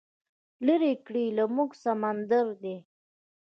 لرې کړی یې له موږه سمندر دی